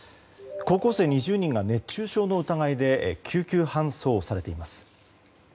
高校生２０人が熱中症の疑いで救急搬送されています。